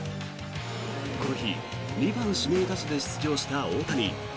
この日２番指名打者で出場した大谷。